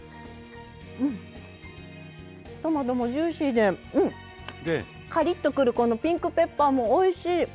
トマトもジューシーでカリッとくるこのピンクペッパーもおいしい！